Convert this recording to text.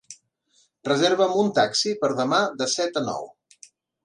Reserva'm un taxi per demà de set a nou.